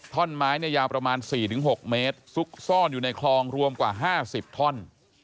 ท่อนไม้เนี่ยยาวประมาณ๔๖เมตรซุกซ่อนอยู่ในคลองรวมกว่า๕๐ท่อน